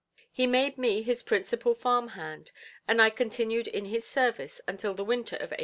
He made me his principal farm hand, and I continued in his service until the winter of 1849.